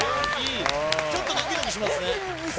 ちょっとドキドキしますね。